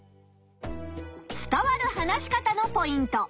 伝わる話し方のポイント。